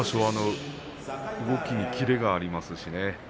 動きにキレがありますね。